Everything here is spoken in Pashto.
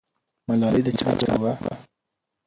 ملالۍ د چا لور وه؟